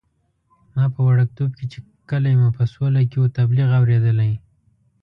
ما په وړکتوب کې چې کلی مو په سوله کې وو، تبلیغ اورېدلی.